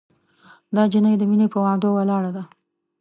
دا جینۍ د مینې پهٔ وعدو ولاړه ده